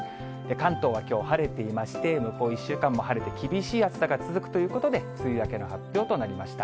関東はきょう晴れていまして、向こう１週間も晴れて、厳しい暑さが続くということで、梅雨明けの発表となりました。